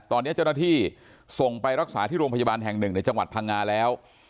ตอนนี้เจ้าหน้าที่ส่งไปรักษาที่โรงพยาบาลแห่งหนึ่งในจังหวัดพังงาแล้ว